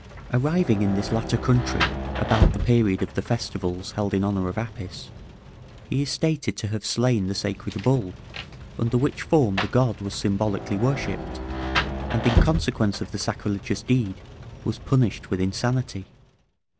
Arriving in this latter country about the period of the festivals held in honour of Apis, he is stated to have slain the sacred bull, under which form the god was symbolically worshipped, and in consequence of the sacrilegious deed, was punished with insanity.